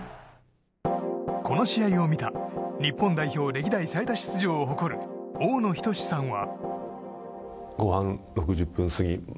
この試合を見た日本代表歴代最多出場を誇る大野均さんは。